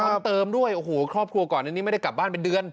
เติมด้วยโอ้โหครอบครัวก่อนอันนี้ไม่ได้กลับบ้านเป็นเดือน